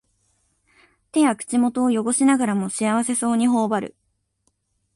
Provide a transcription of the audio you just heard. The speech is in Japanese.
手や口元をよごしながらも幸せそうにほおばる